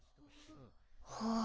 はあ。